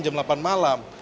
jam delapan malam